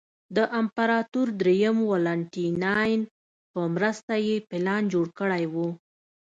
د امپراتور درېیم والنټیناین په مرسته یې پلان جوړ کړی و